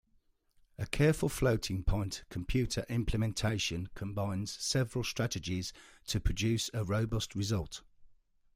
A careful floating point computer implementation combines several strategies to produce a robust result.